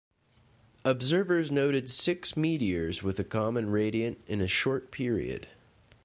Observers noted six meteors with a common radiant in a short period.